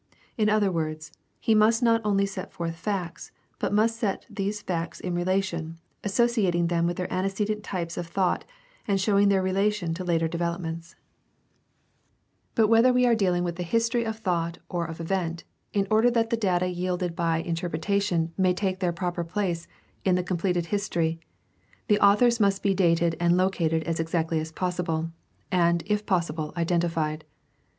In other words, he must not only set forth facts, but must set these facts in relation, associ ating them with their antecedent types of thought and showing their relation to later developments. 230 GUIDE TO STUDY OF CHRISTIAN RELIGION But whether we are deahng with the history of thought or of event, in order that the data yielded by interpretation may take their proper place in the completed history, the authors must be dated and located as exactly as possible, and, if possible, identified.